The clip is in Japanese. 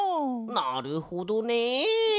なるほどね。